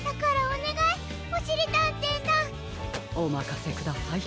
おまかせください。